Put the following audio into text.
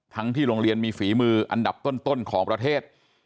ที่โรงเรียนมีฝีมืออันดับต้นของประเทศ